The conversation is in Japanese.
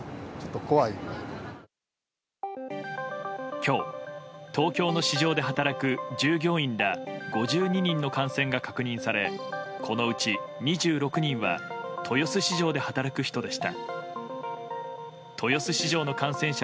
今日、東京の市場で働く従業員ら５２人の感染が確認されこのうち２６人は豊洲市場で働く人でした。